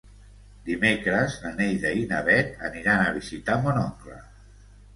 Dimecres na Neida i na Bet aniran a visitar mon oncle.